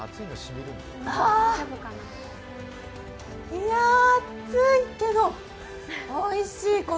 いや熱い、けどおいしい。